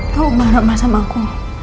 kamu mengamah sama aku